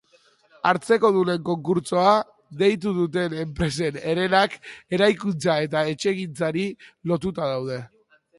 Hartzekodunen konkurtsoa deitu duten enpresen herenak eraikuntza eta etxegintzari lotuta daude.